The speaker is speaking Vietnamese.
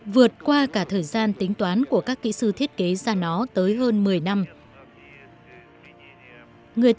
vượt qua cả thời gian tính toán của các chạm không gian chạm không gian chạm không gian chạm không gian chạm không gian chạm không gian